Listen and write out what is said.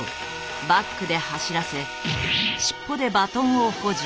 バックで走らせ尻尾でバトンを保持。